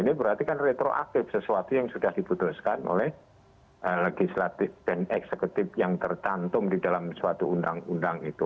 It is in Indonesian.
ini berarti kan retroaktif sesuatu yang sudah diputuskan oleh legislatif dan eksekutif yang tercantum di dalam suatu undang undang itu